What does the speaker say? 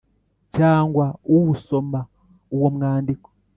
cyangwa uwusoma. Uwo mwandiko